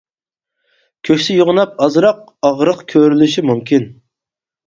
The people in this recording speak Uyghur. كۆكسى يوغىناپ ئازراق ئاغرىق كۆرۈلۈشى مۇمكىن.